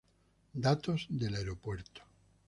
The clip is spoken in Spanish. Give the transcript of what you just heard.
Datos del aeropuerto.